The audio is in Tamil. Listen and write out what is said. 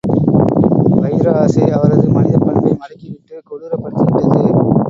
வைர ஆசை, அவரது மனிதப் பண்பை மடக்கிவிட்டு, கொடூரப்படுத்திவிட்டது.